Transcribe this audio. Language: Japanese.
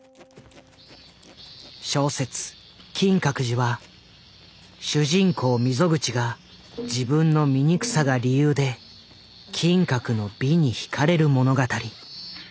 小説「金閣寺」は主人公溝口が自分の醜さが理由で金閣の「美」にひかれる物語。